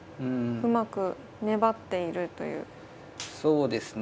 うまく粘っているということですね。